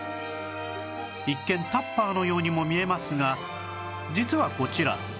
一見タッパーのようにも見えますが実はこちら